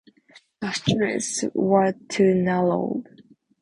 The "streets" were too narrow.